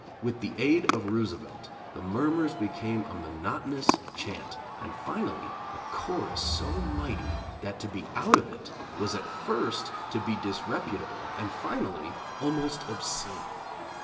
With the aid of Roosevelt, the murmurs became a monotonous chant, and finally a chorus so mighty that to be out of it was at first to be disreputable and finally almost obscene.